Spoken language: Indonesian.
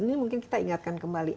ini mungkin kita ingatkan kembali